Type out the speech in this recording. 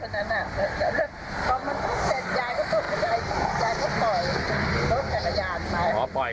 หลายเบชแล้วมาโดนรถอีก๓พัน